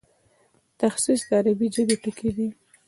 تصحیح د عربي ژبي ټکی دﺉ.